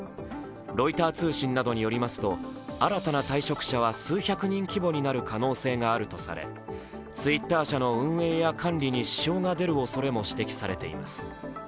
ロイター通信などによりますと、新たな退職者は数百人規模になる可能性があるとされ、Ｔｗｉｔｔｅｒ社の運営や管理に支障が出る恐れも指摘されています。